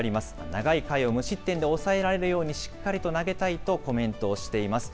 長い回を無失点で抑えられるように、しっかりと投げたいとコメントをしています。